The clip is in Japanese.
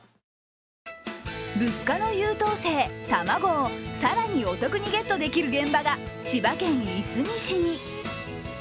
物価の優等生、卵を更にお得にゲットできる現場が千葉県いすみ市に。